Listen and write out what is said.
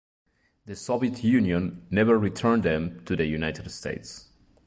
The Soviet Union never returned them to the United States.